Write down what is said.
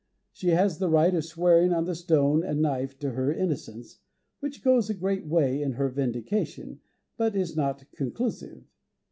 She has the right of swearing on the stone and knife to her innocence, which goes a great way in her vindication, but is not conclusive.